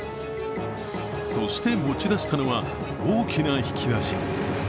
そして、持ち出したのは大きな引き出し。